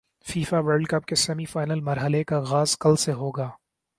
FIFA world cup کے semi final مرحلے کا غاز کل سے ہو گا